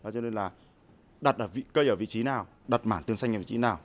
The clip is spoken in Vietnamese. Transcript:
cho nên là đặt cây ở vị trí nào đặt mảng tường xanh ở vị trí nào